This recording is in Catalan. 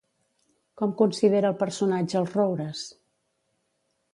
Com considera el personatge els roures?